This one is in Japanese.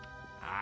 あ。